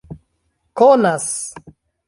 konas